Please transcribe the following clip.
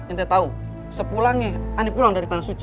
ente tahu sepulangnya aneh pulang dari tanah suci